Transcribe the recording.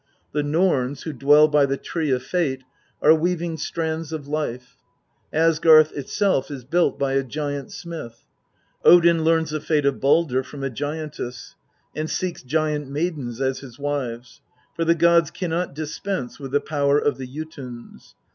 The Norns who dwell by the Tree of Fate are weaving strands of life. Asgarth itself is built by a giant smith. Odin learns the fate of Baldr from a giantess, and seeks giant maidens as his wives; for the gods can not dispense with the power of the Jotuns.